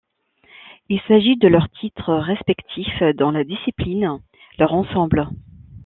Il s'agit de leur titre respectif dans la discipline, leur ensemble.